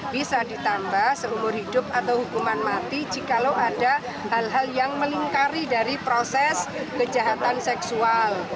bisa ditambah seumur hidup atau hukuman mati jikalau ada hal hal yang melingkari dari proses kejahatan seksual